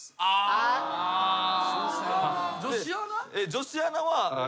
女子アナは。